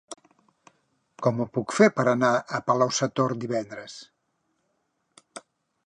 Com ho puc fer per anar a Palau-sator divendres?